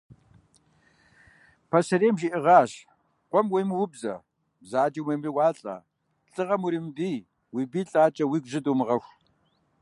Пасэрейм жиӏэгъащ: къуэм уемыубзэ, бзаджэм уемыуалӏэ, лӏыгъэм уримыбий, уи бий лӏакӏэ уигу жьы думыгъэху.